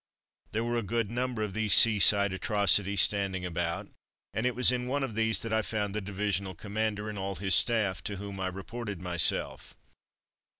There were a good number of these sea side atrocities standing about, and it was in one of these that I found the divisional commander and all his staff, to whom I reported myself.